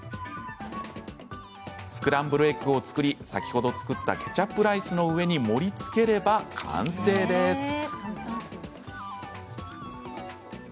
スクランブルエッグを作り先ほど作ったケチャップライスの上に盛りつければ完成です。